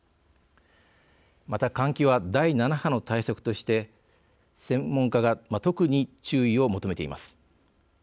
また、換気は第７波の対策として専門家が特に注意を求めています。